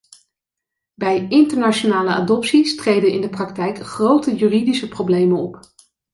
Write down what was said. Bij internationale adopties treden in de praktijk grote juridische problemen op.